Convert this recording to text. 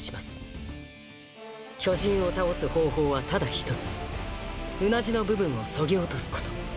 巨人を倒す方法はただ１つうなじの部分を削ぎ落とすこと。